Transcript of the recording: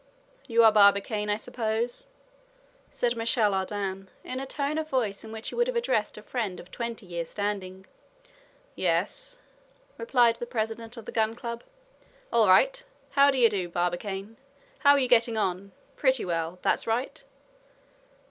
"You are Barbicane, I suppose?" said Michel Ardan, in a tone of voice in which he would have addressed a friend of twenty years' standing. "Yes," replied the president of the Gun Club. "All right! how d'ye do, Barbicane? how are you getting on—pretty well? that's right."